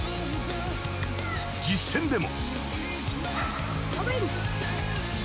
［実践でも］